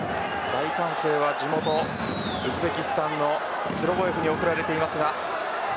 大歓声は、地元ウズベキスタンのツロボエフに送られています。